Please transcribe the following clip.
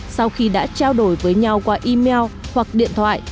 sau khi đã trao đổi với nhau qua email hoặc điện thoại